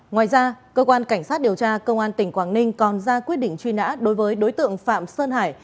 ngoài ra cơ quan cảnh sát điều tra công an tỉnh quảng ninh còn ra quyết định truy nã đối với đối tượng phạm sơn hải